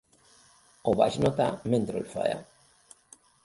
Ho vaig notar mentre el feia.